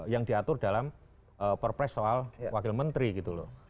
yang diatur dalam perpres soal wakil menteri gitu loh